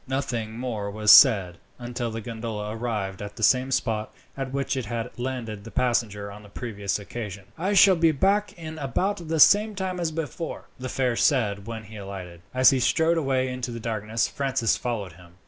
Nothing more was said, until the gondola arrived at the same spot at which it had landed the passenger on the previous occasion. "I shall be back in about the same time as before," the fare said when he alighted. As he strode away into the darkness, Francis followed him.